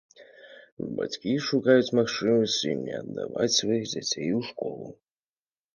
Бацькі шукаюць магчымасці не аддаваць сваіх дзяцей у школу.